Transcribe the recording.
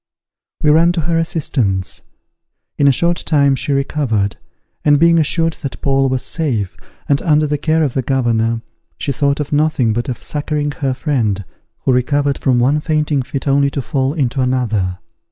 We ran to her assistance. In a short time she recovered, and being assured that Paul was safe, and under the care of the governor, she thought of nothing but of succouring her friend, who recovered from one fainting fit only to fall into another.